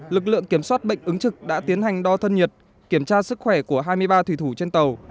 lực lượng kiểm soát bệnh ứng trực đã tiến hành đo thân nhiệt kiểm tra sức khỏe của hai mươi ba thủy thủ trên tàu